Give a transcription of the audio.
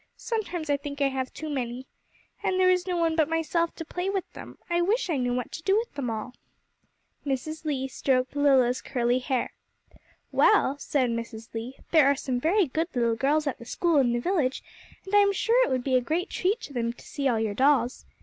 Sometimes I think I have too many. And there is no one but myself to play with them. I wish I knew what to do with them all.' [Illustration: 'SHE HELD THREE IN HER ARMS.'] Mrs. Lee stroked Lilla's curly hair. 'Well, said Mrs. Lee, 'there are some very good little girls at the school in the village, and I am sure it would be a great treat to them to see all your dolls.